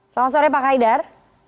selamat sore pak haidar